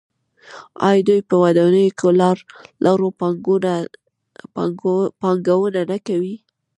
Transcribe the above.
آیا دوی په ودانیو او لارو پانګونه نه کوي؟